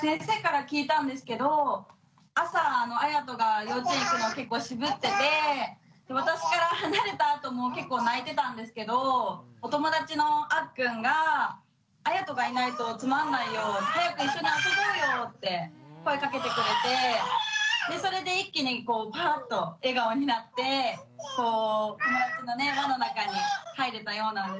先生から聞いたんですけど朝あやとが幼稚園行くの結構渋ってて私から離れたあとも結構泣いてたんですけどお友達のあっくんが「絢仁がいないとつまんないよ。早く一緒に遊ぼうよ」って声かけてくれてそれで一気にパァッと笑顔になって友達のね輪の中に入れたようなんです。